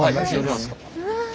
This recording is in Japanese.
うわ。